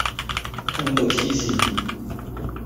痛到痴線